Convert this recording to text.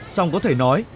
xong có thể nói